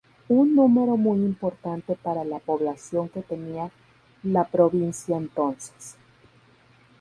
Un número muy importante para la población que tenía la provincia entonces.